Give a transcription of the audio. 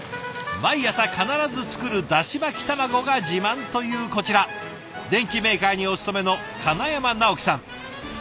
毎朝必ず作るだし巻き卵が自慢というこちら電機メーカーにお勤めの金山直樹さん。